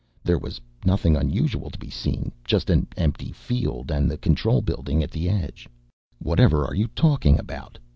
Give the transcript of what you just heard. There was nothing unusual to be seen, just an empty field and the control building at the edge. "Whatever are you talking about